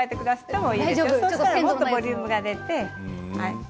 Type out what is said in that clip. もっとボリュームが出て。